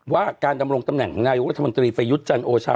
ว่าการดำรงตำแหน่งนายกรัฐมนตรีประยุทธ์จันทร์โอชา